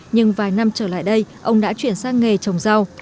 nhưng vài năm trở lại đây ông đã chuyển sang nghề trồng rau